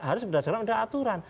harus berdasarkan ada aturan